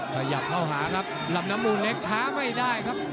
ขยับเข้าหาครับลำน้ำมูลเล็กช้าไม่ได้ครับ